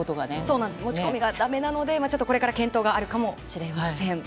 持ち込みがだめなのでこれから検討があるかもしれません。